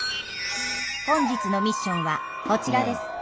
本日のミッションはこちらです。